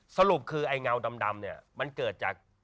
สรุปคือไอ้เงาดำเนี่ยมันเกิดจาก